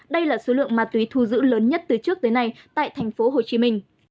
đây là số lượng ma túy thu giữ lớn nhất từ trước tới nay tại tp hcm